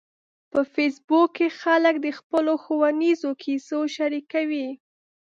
په فېسبوک کې خلک د خپلو ښوونیزو کیسو شریکوي